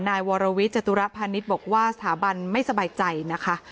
นายวรวิทย์จตุรพาณิชย์บอกว่าสถาบันไม่สบายใจนะคะ